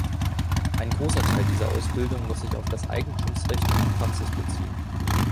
Ein großer Teil dieser Ausbildung muss sich auf das Eigentumsrecht und die Praxis beziehen.